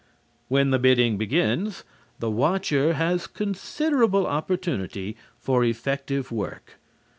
] When the bidding begins, the watcher has considerable opportunity for effective work.